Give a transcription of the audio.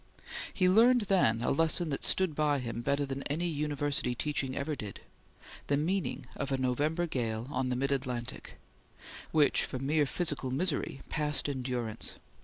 He learned then a lesson that stood by him better than any university teaching ever did the meaning of a November gale on the mid Atlantic which, for mere physical misery, passed endurance.